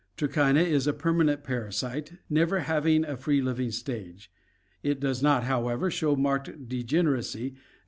Trichina is a permanent parasite, never having a free living stage; it does not, however, show marked degeneracy except that Flc.